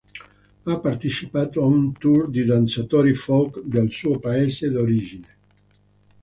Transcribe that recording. Ha partecipato a un tour di danzatori folk del suo paese d'origine.